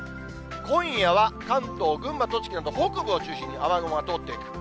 今夜は関東、群馬、栃木などを中心に雨雲が通っていく。